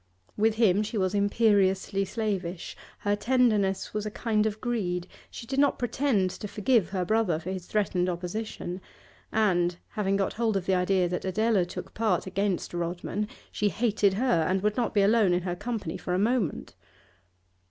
With him she was imperiously slavish; her tenderness was a kind of greed; she did not pretend to forgive her brother for his threatened opposition, and, having got hold of the idea that Adela took part against Rodman, she hated her and would not be alone in her company for a moment.